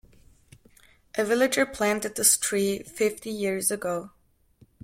A villager planted this tree fifty years ago.